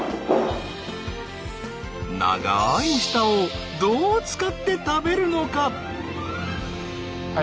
長い舌をどう使って食べるのか？